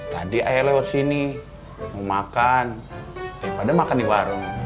tadi ayo lewat sini mau makan daripada makan di warung